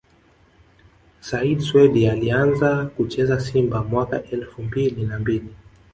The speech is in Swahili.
Said Swedi Alianza kucheza Simba mwaka elfu mbili na mbili